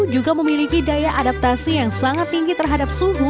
juga memiliki daya adaptasi yang sangat tinggi terhadap suhu